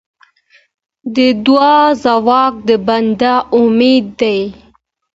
د دعا ځواک د بنده امید دی.